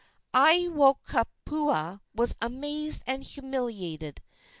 Aiwohikupua was amazed and humiliated.